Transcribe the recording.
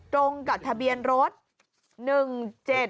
ตรงกับทะเบียนรถ๑๗๐๔พี่เบิร์ต